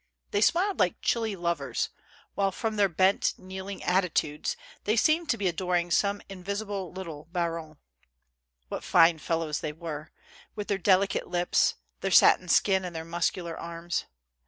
They smiled like chilly lovers, while, from their bent, kneeling atti tudes, they seemed to be adoring some invisible little baronne. What fine fellows they were, with their deli cate lips, their satin skin and their muscular arms.